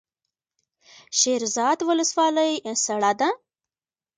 شیرزاد ولسوالۍ سړه ده؟